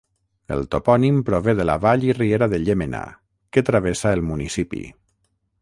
El topònim prové de la vall i riera de Llémena, que travessa el municipi.